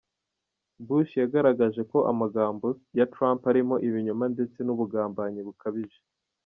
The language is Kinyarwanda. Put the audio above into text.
Bush yagaragaje ko amagambo ya Trump arimo ibinyoma ndetse n’ubugambanyi bukabije.